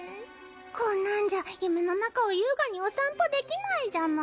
こんなんじゃ夢の中を優雅にお散歩できないじゃない。